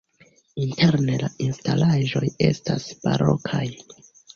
Interne la instalaĵoj estas barokaj.